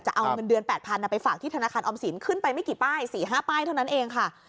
จะเอาเงินเดือน๘๐๐บาทไปฝากที่ธนาคารออมสินขึ้นไปไม่กี่ป้าย๔๕ป้ายเท่านั้นเองค่ะ